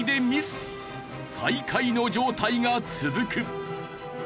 最下位の状態が続く。